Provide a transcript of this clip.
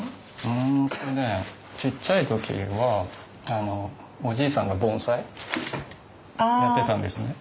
うんとねちっちゃい時はおじいさんが盆栽やってたんですね。